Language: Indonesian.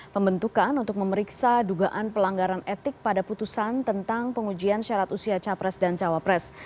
pembentukan untuk memeriksa dugaan pelanggaran etik pada putusan tentang pengujian syarat usia capres dan cawapres